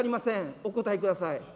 お答えください。